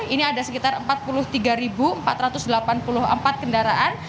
ini ada sekitar empat puluh tiga empat ratus delapan puluh empat kendaraan